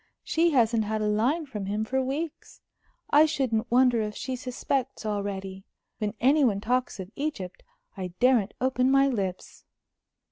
"She hasn't had a line from him for weeks. I shouldn't wonder if she suspects already. When any one talks of Egypt, I daren't open my lips."